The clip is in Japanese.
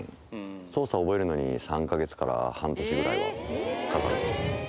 操作を覚えるのに３か月から半年ぐらいはかかる。